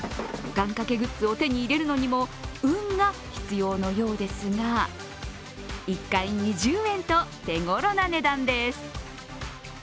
願かけグッズを手に入れるのにも運が必要のようですが１回２０円と手頃な値段です。